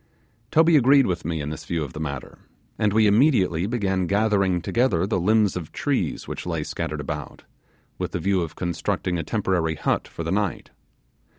Toby agreed with me in this view of the matter, and we immediately began gathering together the limbs of trees which lay scattered about, with the view of constructing a temporary hut for the night.